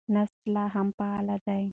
نسج لا هم فعال دی.